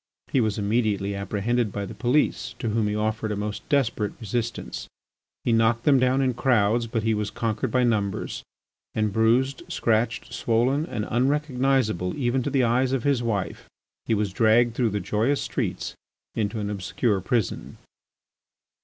He was immediately apprehended by the police, to whom he offered a most desperate resistance. He knocked them down in crowds, but he was conquered by numbers, and, bruised, scratched, swollen, and unrecognisable even to the eyes of his wife, he was dragged through the joyous streets into an obscure prison.